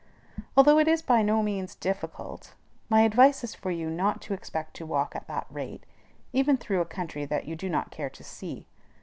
Although it is by no means difficult, my advice is for you not to expect to walk at that rate, even through a country that you do not care to see.